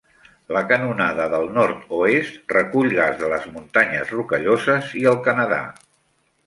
La Canonada del nord-oest recull gas de les muntanyes Rocalloses i el Canadà.